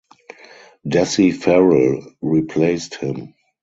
Dessie Farrell replaced him.